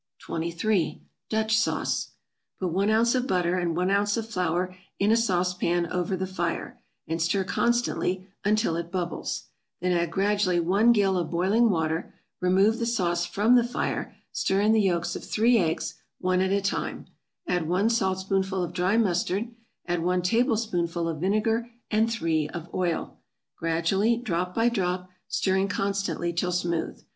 23. =Dutch Sauce.= Put one ounce of butter, and one ounce of flour in a sauce pan over the fire, and stir constantly until it bubbles; then add gradually one gill of boiling water, remove the sauce from the fire, stir in the yolks of three eggs, one at a time, add one saltspoonful of dry mustard; add one tablespoonful of vinegar and three of oil, gradually, drop by drop, stirring constantly till smooth.